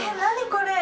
これ。